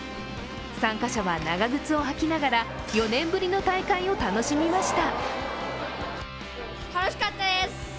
参加者は長靴をはきながら４年ぶりの大会を楽しみました。